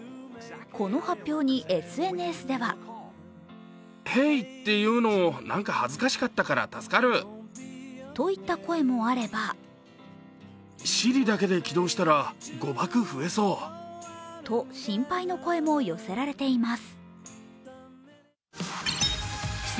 この発表に、ＳＮＳではといった声もあればと心配の声も寄せられています。